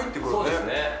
そうですね。